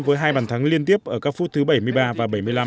với hai bàn thắng liên tiếp ở các phút thứ bảy mươi ba và bảy mươi năm